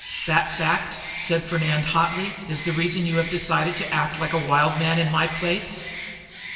"That fact," said Fernand hotly, "is the reason you have dared to act like a wild man in my place?